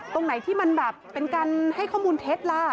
ตรงไหนที่มันแบบเป็นการให้ข้อมูลเท็จล่ะ